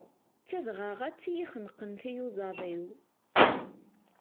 D tadɣaɣat iyi-xenqen tiyuẓaḍ-iw.